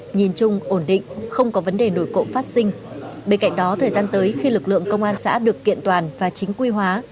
nhìn chung ổn định không có vấn đề nổi cộm phát sinh bên cạnh đó thời gian tới khi lực lượng công an xã được kiện toàn và chính quy hóa